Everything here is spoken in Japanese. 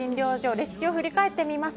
歴史を振り返ってみます。